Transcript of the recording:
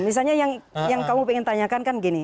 misalnya yang kamu ingin tanyakan kan gini